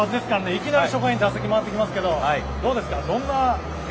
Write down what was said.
いきなり初回に打席が回ってきますけどどうですか？